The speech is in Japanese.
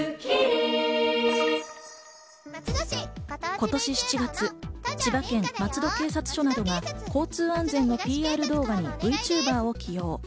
今年７月、千葉県松戸警察署などが交通安全のＰＲ動画にＶＴｕｂｅｒを起用。